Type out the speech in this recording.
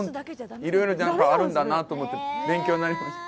いろいろあるんだなと思って勉強になりました。